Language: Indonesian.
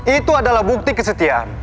itu adalah bukti kesetiaan